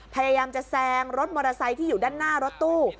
พยายามจะแซงรถมอเตอร์ไซค์ที่อยู่ด้านหน้ารถตู้